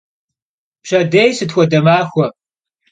Pşedêy sıt xuede maxue?